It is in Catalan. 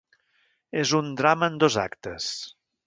És un drama en dos actes.